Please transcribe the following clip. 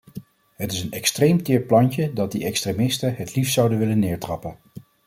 Het is een extreem teer plantje dat de extremisten het liefst zouden willen neertrappen.